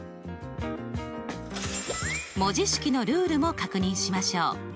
文字式のルールも確認しましょう。